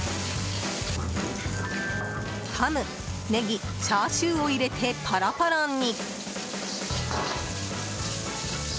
ハム、ネギチャーシューを入れてパラパラに。